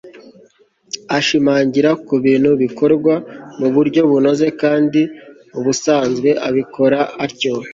Ashimangira ku bintu bikorwa mu buryo bunoze kandi ubusanzwe abikora atyo